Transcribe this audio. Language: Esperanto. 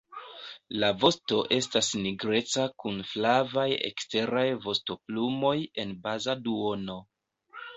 La vosto estas nigreca kun flavaj eksteraj vostoplumoj en baza duono.